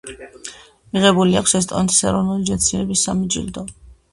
მიღებული აქვს ესტონეთის ეროვნული მეცნიერების სამი ჯილდო.